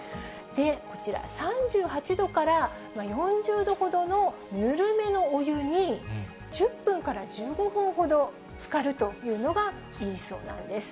こちら、３８度から４０度ほどのぬるめのお湯に、１０分から１５分ほどつかるというのがいいそうなんです。